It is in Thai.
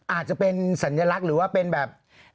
อาจจะเป็นสัญลักษณ์หรือว่าเป็นแบบ